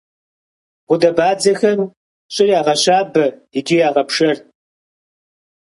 Гъудэбадзэхэм щӀыр ягъэщабэ икӏи ягъэпшэр.